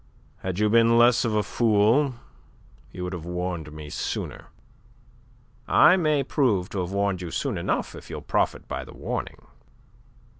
Had you been less of a fool, you would have warned me sooner." "I may prove to have warned you soon enough if you'll profit by the warning."